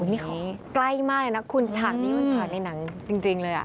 โอ้แนนนี่ก็ใกล้มากนะคุณฉากนี้มันเทิดในหนังจริงเลยอ่ะ